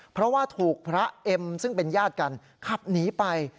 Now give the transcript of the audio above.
เพราะว่าถูกพระเอ็มซึ่งเป็นญาติกันขับหนีไป